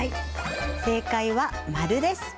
正解は○です。